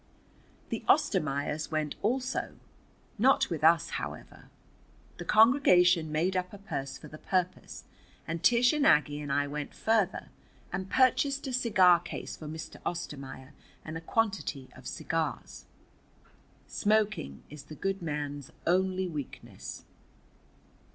The Ostermaiers went also. Not with us, however. The congregation made up a purse for the purpose, and Tish and Aggie and I went further, and purchased a cigar case for Mr. Ostermaier and a quantity of cigars. Smoking is the good man's only weakness.